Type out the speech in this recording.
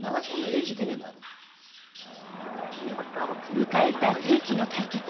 迎えた世紀の対決。